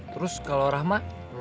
terus kalo rahma